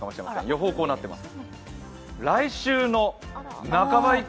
予報こうなっています。